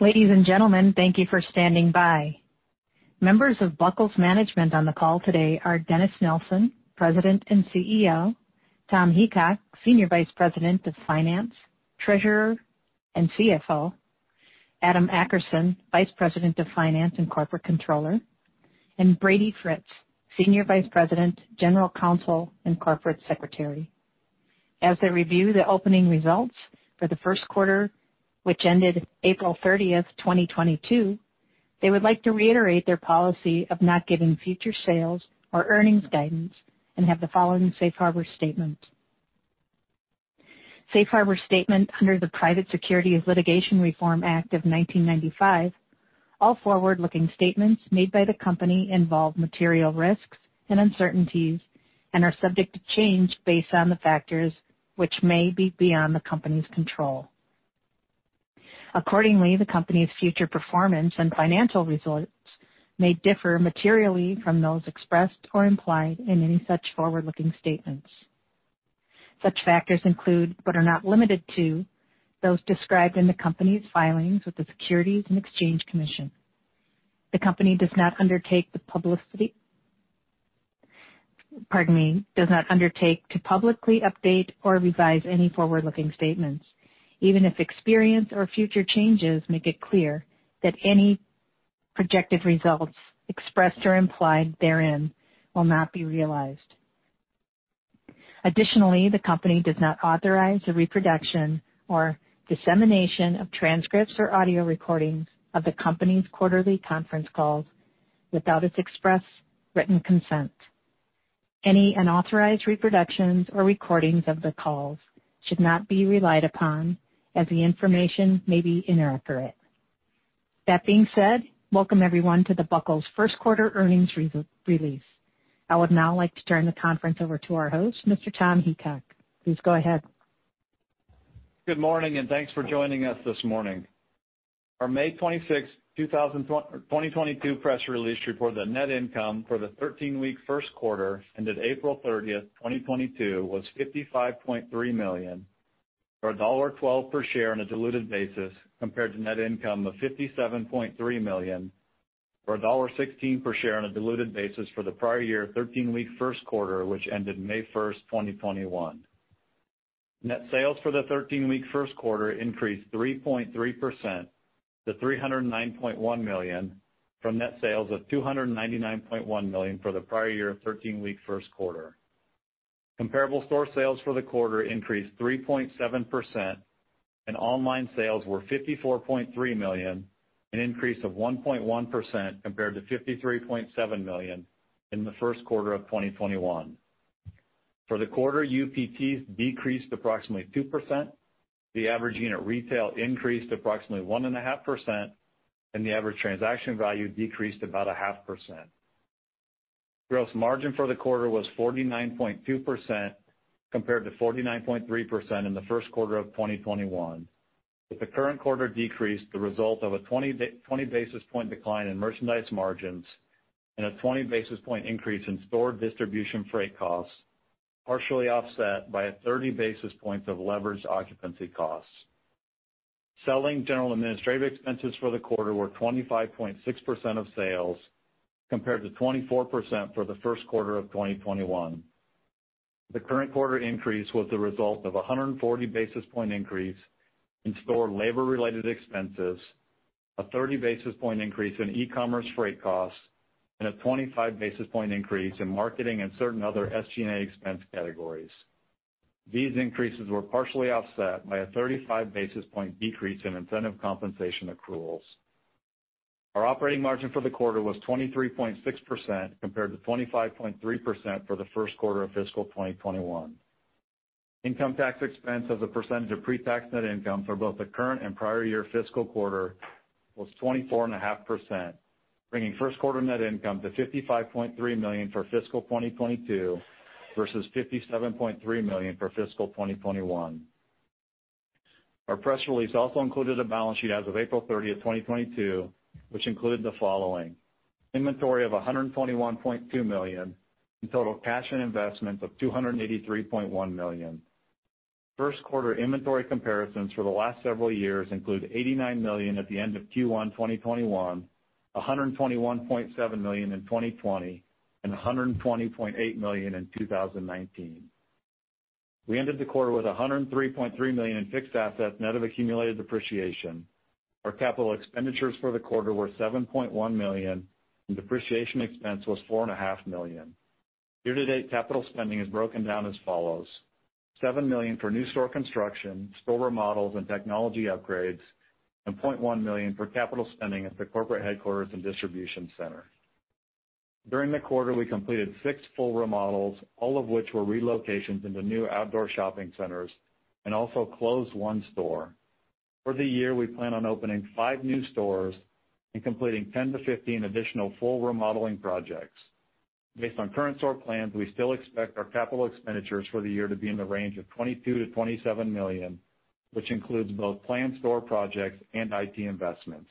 Ladies and gentlemen, thank you for standing by. Members of The Buckle, Inc's management on the call today are Dennis Nelson, President and CEO, Tom Heacock, Senior Vice President of Finance, Treasurer, and CFO, Adam Akerson, Vice President of Finance and Corporate Controller, and Brady Fritz, Senior Vice President, General Counsel, and Corporate Secretary. As they review the operating results for the first quarter, which ended April 30, 2022, they would like to reiterate their policy of not giving future sales or earnings guidance and have the following safe harbor statement. Safe harbor statement. Under the Private Securities Litigation Reform Act of 1995, all forward-looking statements made by the company involve material risks and uncertainties and are subject to change based on the factors which may be beyond the company's control. Accordingly, the company's future performance and financial results may differ materially from those expressed or implied in any such forward-looking statements. Such factors include, but are not limited to, those described in the company's filings with the Securities and Exchange Commission. The company does not undertake to publicly update or revise any forward-looking statements, even if experience or future changes make it clear that any projected results expressed or implied therein will not be realized. Additionally, the company does not authorize the reproduction or dissemination of transcripts or audio recordings of the company's quarterly conference calls without its express written consent. Any unauthorized reproductions or recordings of the calls should not be relied upon as the information may be inaccurate. That being said, welcome everyone to the Buckle's first quarter earnings press release. I would now like to turn the conference over to our host, Mr. Tom Heacock. Please go ahead. Good morning, and thanks for joining us this morning. Our May 26, 2022 press release reported that net income for the 13-week first quarter ended April 30, 2022, was $55.3 million, or $1.12 per share on a diluted basis compared to net income of $57.3 million, or $1.16 per share on a diluted basis for the prior year 13-week first quarter, which ended May 1, 2021. Net sales for the 13-week first quarter increased 3.3% to $309.1 million from net sales of $299.1 million for the prior year 13-week first quarter. Comparable store sales for the quarter increased 3.7%, and online sales were $54.3 million, an increase of 1.1% compared to $53.7 million in the first quarter of 2021. For the quarter, UPTs decreased approximately 2%. The average unit retail increased approximately 1.5%, and the average transaction value decreased about 0.5%. Gross margin for the quarter was 49.2% compared to 49.3% in the first quarter of 2021, with the current quarter decrease the result of a 20 basis point decline in merchandise margins and a 20 basis point increase in store and distribution freight costs, partially offset by 30 basis points of leveraged occupancy costs. Selling general administrative expenses for the quarter were 25.6% of sales compared to 24% for the first quarter of 2021. The current quarter increase was the result of a 140 basis point increase in store labor related expenses, a 30 basis point increase in e-commerce freight costs, and a 25 basis point increase in marketing and certain other SG&A expense categories. These increases were partially offset by a 35 basis point decrease in incentive compensation accruals. Our operating margin for the quarter was 23.6% compared to 25.3% for the first quarter of fiscal 2021. Income tax expense as a percentage of pre-tax net income for both the current and prior year fiscal quarter was 24.5%, bringing first quarter net income to $55.3 million for fiscal 2022 versus $57.3 million for fiscal 2021. Our press release also included a balance sheet as of April 30, 2022, which included the following, inventory of $121.2 million and total cash and investment of $283.1 million. First quarter inventory comparisons for the last several years include $89 million at the end of Q1 2021, $121.7 million in 2020, and $120.8 million in 2019. We ended the quarter with $103.3 million in fixed assets net of accumulated depreciation. Our capital expenditures for the quarter were $7.1 million, and depreciation expense was $4.5 Million. Year to date, capital spending is broken down as follows. $7 million for new store construction, store remodels, and technology upgrades, and $0.1 million for capital spending at the corporate headquarters and distribution center. During the quarter, we completed six full remodels, all of which were relocations into new outdoor shopping centers and also closed one store. For the year, we plan on opening five new stores and completing 10-15 additional full remodeling projects. Based on current store plans, we still expect our capital expenditures for the year to be in the range of $22 million-$27 million, which includes both planned store projects and IT investments.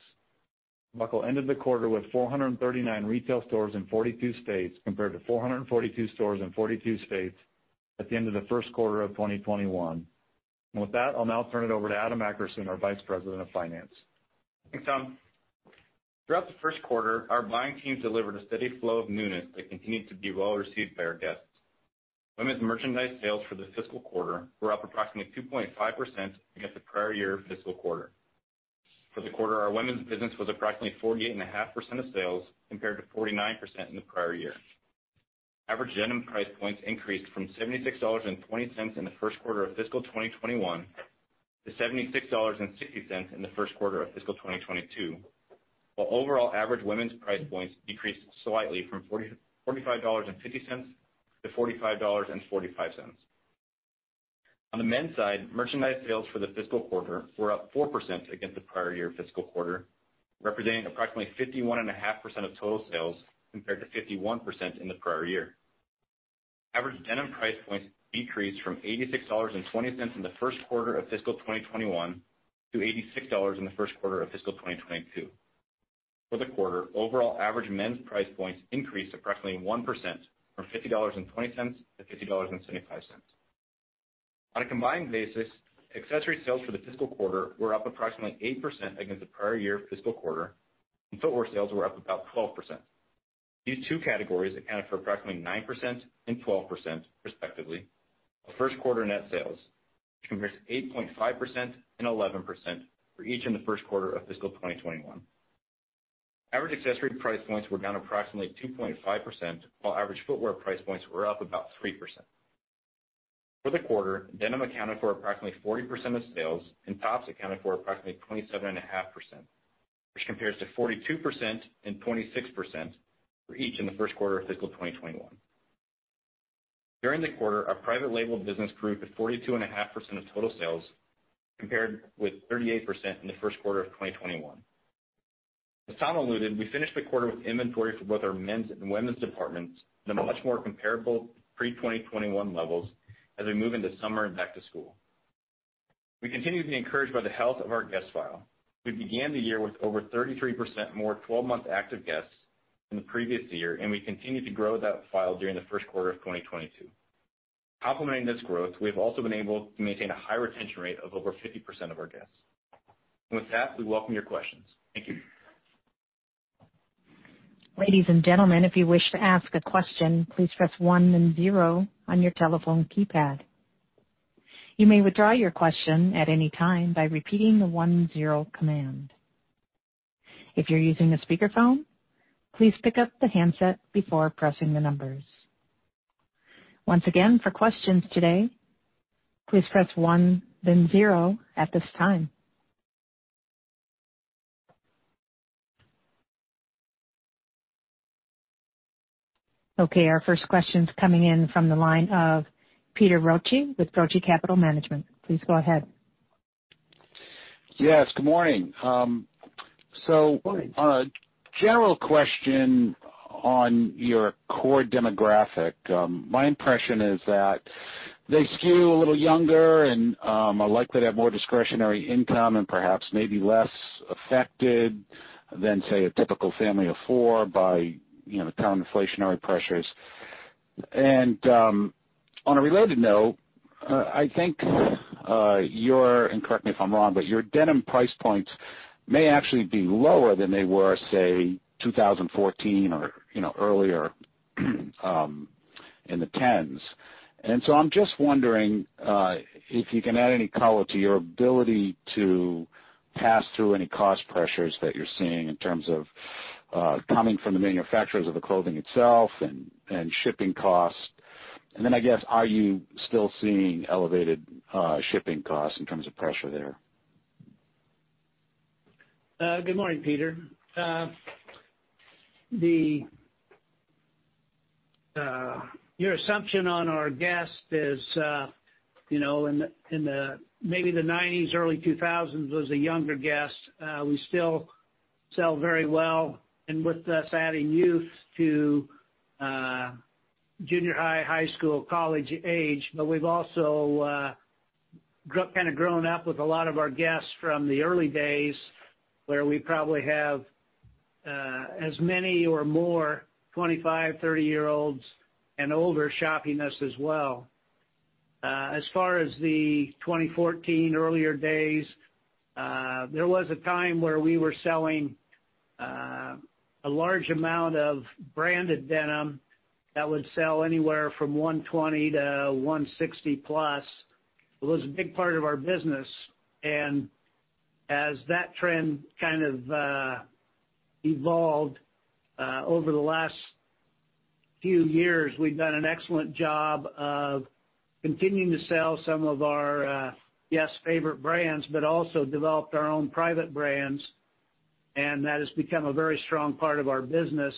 Buckle ended the quarter with 439 retail stores in 42 states, compared to 442 stores in 42 states at the end of the first quarter of 2021. With that, I'll now turn it over to Adam Akerson, our Vice President of Finance. Thanks, Tom. Throughout the first quarter, our buying team delivered a steady flow of newness that continued to be well received by our guests. Women's merchandise sales for the fiscal quarter were up approximately 2.5% against the prior year fiscal quarter. For the quarter, our women's business was approximately 48.5% of sales, compared to 49% in the prior year. Average denim price points increased from $76.20 in the first quarter of fiscal 2021 to $76.60 in the first quarter of fiscal 2022, while overall average women's price points decreased slightly from $45.50 to $45.45. On the men's side, merchandise sales for the fiscal quarter were up 4% against the prior year fiscal quarter, representing approximately 51.5% of total sales compared to 51% in the prior year. Average denim price points decreased from $86.20 in the first quarter of fiscal 2021 to $86 in the first quarter of fiscal 2022. For the quarter, overall average men's price points increased approximately 1% from $50.20 to $50.25. On a combined basis, accessory sales for the fiscal quarter were up approximately 8% against the prior year fiscal quarter, and footwear sales were up about 12%. These two categories accounted for approximately 9% and 12% respectively. The first quarter net sales compares 8.5% and 11% for each in the first quarter of fiscal 2021. Average accessory price points were down approximately 2.5%, while average footwear price points were up about 3%. For the quarter, denim accounted for approximately 40% of sales, and tops accounted for approximately 27.5%, which compares to 42% and 26% for each in the first quarter of fiscal 2021. During the quarter, our private label business grew to 42.5% of total sales, compared with 38% in the first quarter of 2021. As Tom alluded, we finished the quarter with inventory for both our men's and women's departments in a much more comparable pre-2021 levels as we move into summer and back to school. We continue to be encouraged by the health of our guest file. We began the year with over 33% more 12-month active guests than the previous year, and we continued to grow that file during the first quarter of 2022. Complementing this growth, we have also been able to maintain a high retention rate of over 50% of our guests. With that, we welcome your questions. Thank you. Ladies and gentlemen, if you wish to ask a question, please press one and zero on your telephone keypad. You may withdraw your question at any time by repeating the one zero command. If you're using a speakerphone, please pick up the handset before pressing the numbers. Once again, for questions today, please press one then zero at this time. Okay, our first question's coming in from the line of Peter Brotchie with Brotchie Capital Management. Please go ahead. Yes, good morning. Good morning. General question on your core demographic. My impression is that they skew a little younger and are likely to have more discretionary income and perhaps maybe less affected than, say, a typical family of four by, you know, the current inflationary pressures. On a related note, I think and correct me if I'm wrong, but your denim price points may actually be lower than they were, say, 2014, or, you know, earlier in the tens. I'm just wondering if you can add any color to your ability to pass through any cost pressures that you're seeing in terms of coming from the manufacturers of the clothing itself and shipping costs. I guess, are you still seeing elevated shipping costs in terms of pressure there? Good morning, Peter. Your assumption on our guest is, you know, in the maybe the 1990s, early 2000s was a younger guest. We still sell very well and with us adding youth to junior high, high school, college age. We've also kinda grown up with a lot of our guests from the early days, where we probably have as many or more 25, 30-year-olds and older shopping us as well. As far as the 2014 earlier days, there was a time where we were selling a large amount of branded denim that would sell anywhere from $120 to $160 plus. It was a big part of our business. As that trend kind of evolved over the last few years, we've done an excellent job of continuing to sell some of our favorite brands, but also developed our own private brands, and that has become a very strong part of our business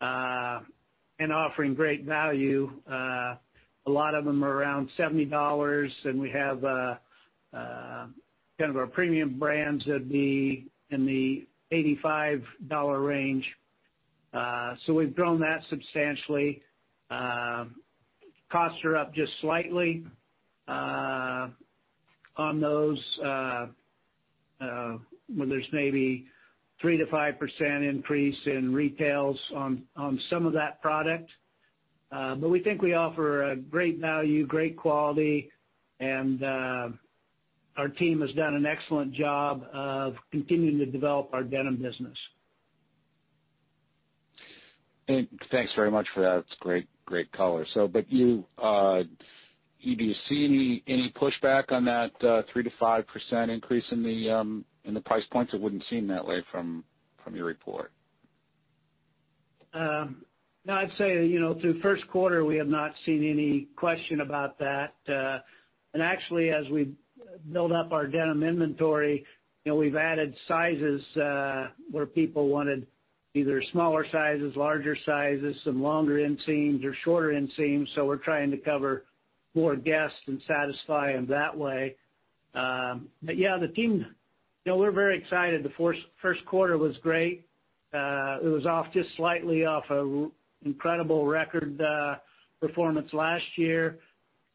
in offering great value. A lot of them are around $70, and we have kind of our premium brands in the $85 range. We've grown that substantially. Costs are up just slightly on those where there's maybe 3%-5% increase in retails on some of that product. We think we offer a great value, great quality, and our team has done an excellent job of continuing to develop our denim business. Thanks very much for that. It's great color. Do you see any pushback on that 3%-5% increase in the price points? It wouldn't seem that way from your report. No, I'd say, you know, through first quarter, we have not seen any question about that. Actually, as we build up our denim inventory, you know, we've added sizes where people wanted either smaller sizes, larger sizes, some longer inseams or shorter inseams. We're trying to cover more guests and satisfy them that way. Yeah, the team, you know, we're very excited. First quarter was great. It was just slightly off an incredible record performance last year.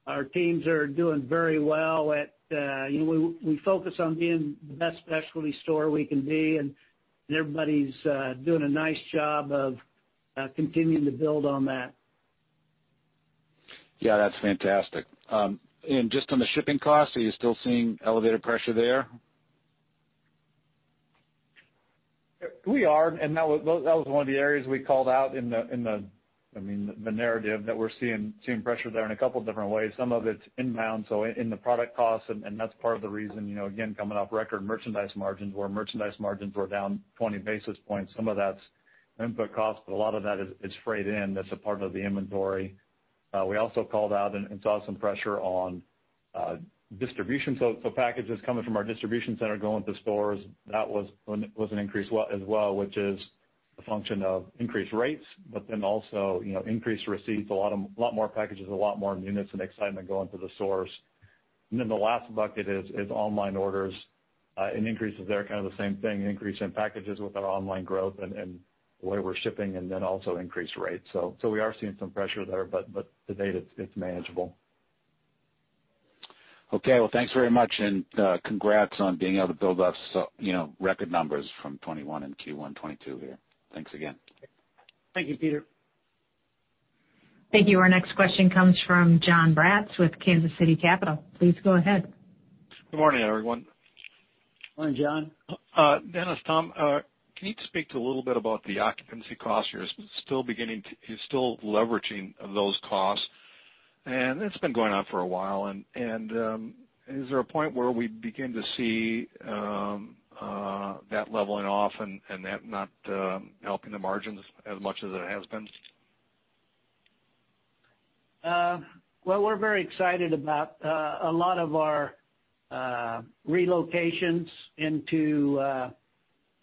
Our teams are doing very well. We focus on being the best specialty store we can be, and everybody's doing a nice job of continuing to build on that. Yeah, that's fantastic. Just on the shipping costs, are you still seeing elevated pressure there? We are. That was one of the areas we called out in the I mean, the narrative, that we're seeing pressure there in a couple different ways. Some of it's inbound, so in the product costs, and that's part of the reason, you know, again, coming off record merchandise margins where merchandise margins were down 20 basis points. Some of that's input costs, but a lot of that is freight in. That's a part of the inventory. We also called out and saw some pressure on distribution. Packages coming from our distribution center going to stores, that was an increase as well, which is a function of increased rates, but then also, you know, increased receipts. A lot more packages, a lot more units and excitement going to the stores. The last bucket is online orders, and increases there, kind of the same thing, increase in packages with our online growth and the way we're shipping and then also increased rates. We are seeing some pressure there, but to date, it's manageable. Okay, well, thanks very much, and, congrats on being able to build up so, you know, record numbers from 2021 and Q1 2022 here. Thanks again. Thank you, Peter. Thank you. Our next question comes from Jon Braatz with Kansas City Capital Associates. Please go ahead. Good morning, everyone. Morning, Jon. Dennis, Tom, can you speak to a little bit about the occupancy costs? You're still leveraging those costs. It's been going on for a while, is there a point where we begin to see that leveling off and that not helping the margins as much as it has been? Well, we're very excited about a lot of our relocations into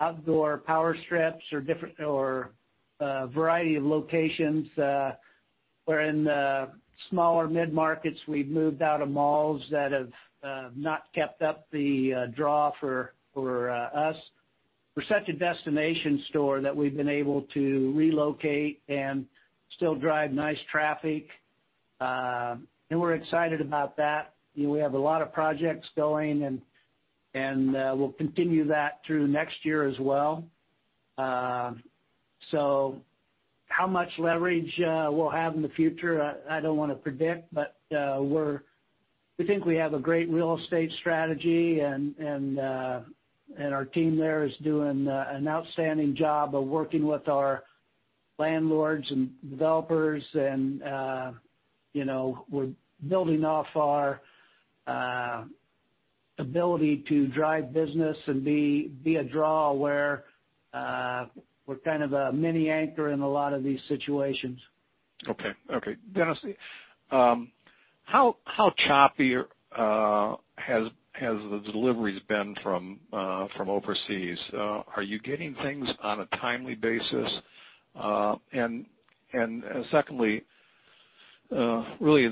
outdoor power centers or different variety of locations where in the smaller mid-markets we've moved out of malls that have not kept up the draw for us. We're such a destination store that we've been able to relocate and still drive nice traffic. We're excited about that. You know, we have a lot of projects going and we'll continue that through next year as well. How much leverage we'll have in the future, I don't wanna predict, but we think we have a great real estate strategy and our team there is doing an outstanding job of working with our landlords and developers and you know, we're building off our ability to drive business and be a draw where, we're kind of a mini anchor in a lot of these situations. Dennis, how choppy has the deliveries been from overseas? Are you getting things on a timely basis? Secondly, really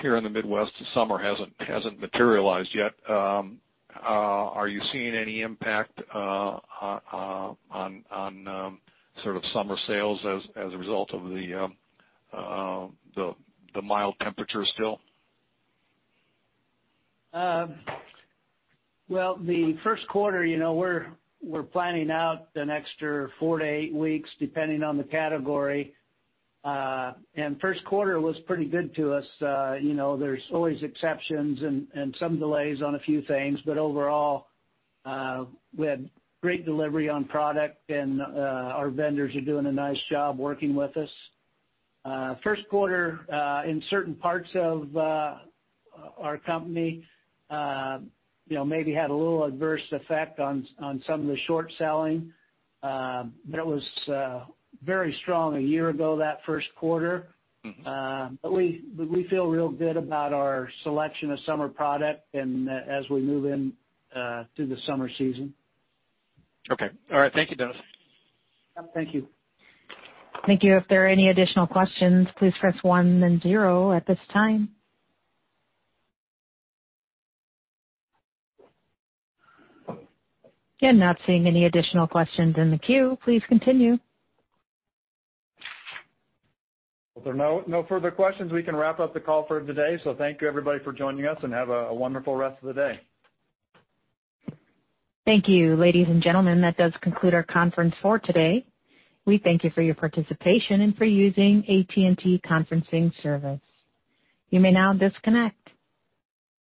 here in the Midwest, the summer hasn't materialized yet. Are you seeing any impact on sort of summer sales as a result of the mild temperatures still? Well, the first quarter, you know, we're planning out an extra four to eight weeks, depending on the category. First quarter was pretty good to us. You know, there's always exceptions and some delays on a few things, but overall, we had great delivery on product and our vendors are doing a nice job working with us. First quarter, in certain parts of our company, you know, maybe had a little adverse effect on some of the short selling. It was very strong a year ago that first quarter. Mm-hmm. We feel real good about our selection of summer product and, as we move in, through the summer season. Okay. All right. Thank you, Dennis. Thank you. Thank you. If there are any additional questions, please press one then zero at this time. Again, not seeing any additional questions in the queue. Please continue. If there are no further questions, we can wrap up the call for the day. Thank you everybody for joining us and have a wonderful rest of the day. Thank you. Ladies and gentlemen, that does conclude our conference for today. We thank you for your participation and for using AT&T Conferencing Service. You may now disconnect.